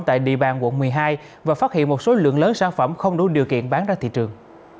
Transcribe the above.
tại địa bàn quận một mươi hai và phát hiện một số lượng lớn sản phẩm không đủ điều kiện bán ra thị trường